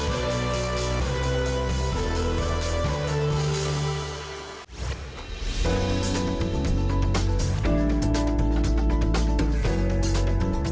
asil umkm masih